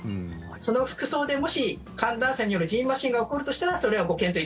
その服装で、もし寒暖差によるじんましんが起こるとしたらそれはご検討